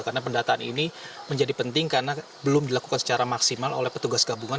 karena pendataan ini menjadi penting karena belum dilakukan secara maksimal oleh petugas gabungan